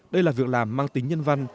đây là việc làm mang tính nhân văn